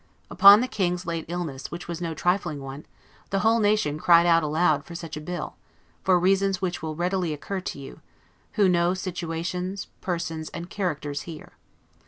Upon the King's late illness, which was no trifling one, the whole nation cried out aloud for such a bill, for reasons which will readily occur to you, who know situations, persons, and characters here.